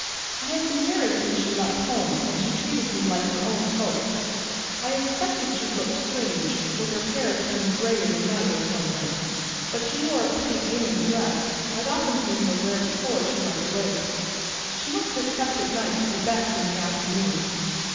I had been married since she left home, an' she treated me like her own folks. I expected she'd look strange, with her hair turned gray in a night or somethin', but she wore a pretty gingham dress I'd often seen her wear before she went away; she must have kept it nice for best in the afternoons.